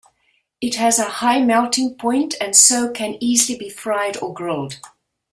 It has a high melting point and so can easily be fried or grilled.